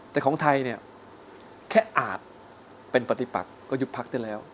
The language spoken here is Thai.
แต่ของไทยเนี่ยแค่อาจเป็นปฏิปักก็ยุบพักได้แล้ว